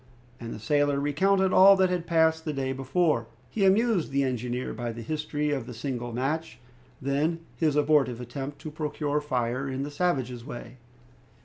And the sailor recounted all that had passed the day before. He amused the engineer by the history of the single match, then his abortive attempt to procure fire in the savages' way.